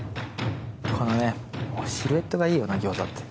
このねシルエットがいいよな餃子って。